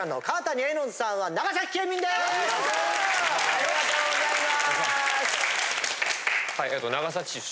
ありがとうございます。